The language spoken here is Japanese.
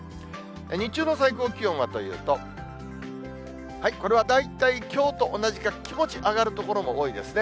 日中の最高気温はというと、これは大体きょうと同じか、気持ち上がる所も多いですね。